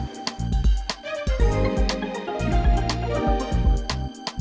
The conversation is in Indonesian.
jangan lupa like subscribe subscribe